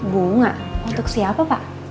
bunga untuk siapa pak